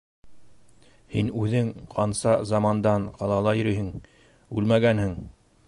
Һин үҙең ҡанса замандан ҡалала йөрөйһөң - үлмәгәнһең.